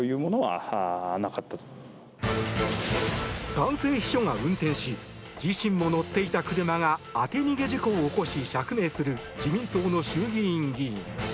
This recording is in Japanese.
男性秘書が運転し自身も乗っていた車が当て逃げ事故を起こし、釈明する自民党の衆議院議員。